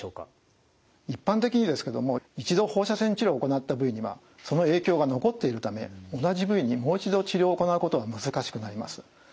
一般的にですけども一度放射線治療を行った部位にはその影響が残っているため同じ部位にもう一度治療を行うことは難しくなります。